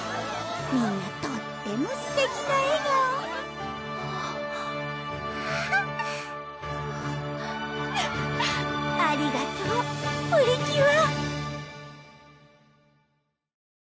みんなとってもすてきな笑顔ありがとうプリキュア！